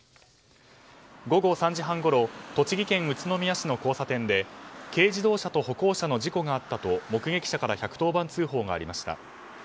午後３時半ごろ栃木県宇都宮市の交差点で軽自動車と歩行者の事故があったと目撃者から１１０番通報がありました。